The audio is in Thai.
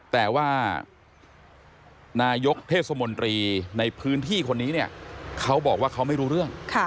แต่ว่านายกเทศมนตรีในพื้นที่คนนี้เนี่ยเขาบอกว่าเขาไม่รู้เรื่อง